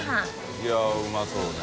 いやうまそうね。